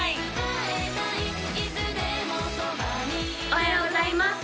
おはようございます！